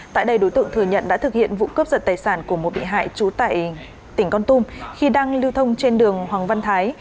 tại đây đối tượng thừa nhận đã thực hiện vụ cướp giật tài sản của một bị hại trú tại tỉnh con tum khi đang lưu thông trên đường hoàng văn thái